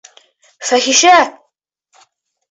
Фәхишә!